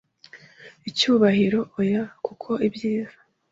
icyubahiro oya kuko ibyiza